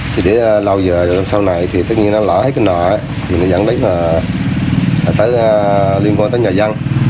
thì để lâu giờ sau này thì tất nhiên nó lở hết cái nợ thì nó dẫn đến liên quan tới nhà dân